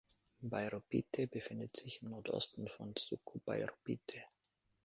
Bairro Pite befindet sich im Nordosten vom Suco Bairro Pite.